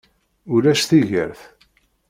Ulac tigert.